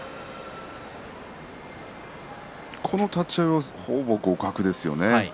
この立ち合いはほぼ互角ですよね。